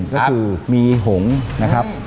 ก็คือมีหงษ์นะครับ